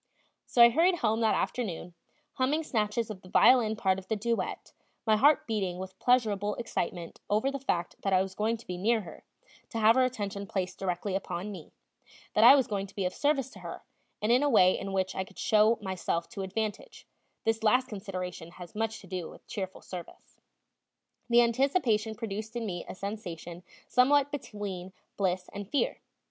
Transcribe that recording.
So I hurried home that afternoon, humming snatches of the violin part of the duet, my heart beating with pleasurable excitement over the fact that I was going to be near her, to have her attention placed directly upon me; that I was going to be of service to her, and in a way in which I could show myself to advantage this last consideration has much to do with cheerful service . The anticipation produced in me a sensation somewhat between bliss and fear.